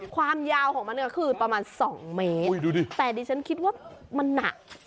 ความยาวของมันก็คือประมาณ๒เมตรแต่ดิฉันคิดว่ามันหนัก